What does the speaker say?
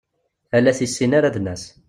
Ala tissin ara d-nas.